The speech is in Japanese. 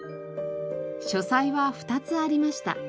書斎は２つありました。